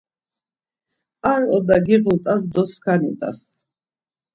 Ar oda giğut̆as do skani t̆as.